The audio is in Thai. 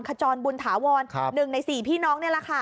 ขจรบุญถาวร๑ใน๔พี่น้องนี่แหละค่ะ